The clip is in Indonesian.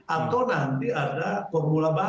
atau nanti ada formula baru